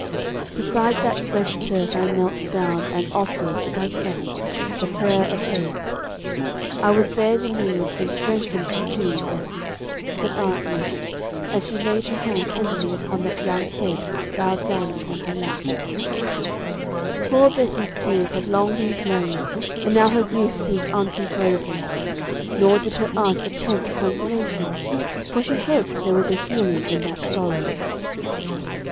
'_ "Beside that fresh turf I knelt down, and offered, as I trust, the prayer of faith. I was there relieved, and strengthened too, Bessie," said Aunt Ruth, as she laid her hand tenderly upon that young head bowed down upon her lap. Poor Bessie's tears had long been flowing, and now her grief seemed uncontrollable. Nor did her aunt attempt consolation; for she hoped there was a healing in that sorrow.